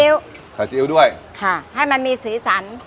และมันมีสีสัน